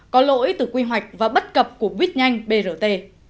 có lỗi từ quy hoạch và bất cập của vít nhanh brt